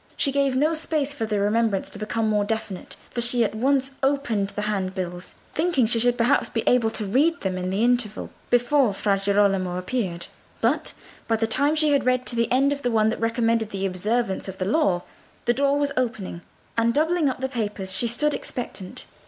She gave no space for the remembrance to become more definite, for she at once opened the handbills, thinking she should perhaps be able to read them in the interval before Fra Girolamo appeared. But by the time she had read to the end of the one that recommended the observance of the law, the door was opening, and doubling up the papers she stood expectant.